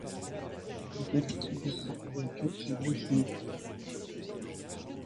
Il représente l'équipe de France de hockey sur glace au niveau international.